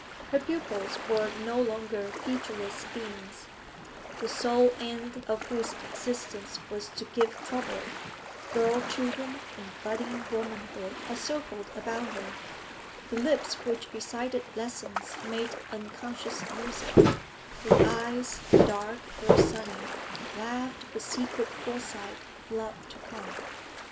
Her pupils were no longer featureless beings, the sole end of whose existence was to give trouble; girl children and budding womanhood had circled about her; the lips which recited lessons made unconscious music; the eyes, dark or sunny, laughed with secret foresight of love to come.